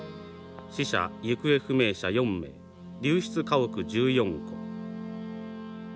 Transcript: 死者・行方不明者４名流出家屋１４戸。